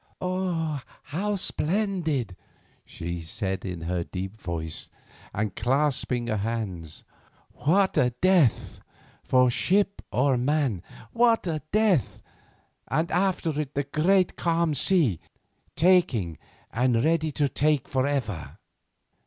"Oh, how splendid!" she said in her deep voice, and clasping her hands. "What a death! For ship or man, what a death! And after it the great calm sea, taking and ready to take for ever."